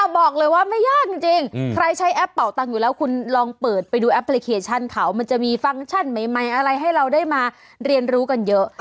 บอกเลยว่าไม่ยากจริงใครใช้แอปเป่าตังค์อยู่แล้วคุณลองเปิดไปดูแอปพลิเคชันเขามันจะมีฟังก์ชั่นใหม่อะไรให้เราได้มาเรียนรู้กันเยอะ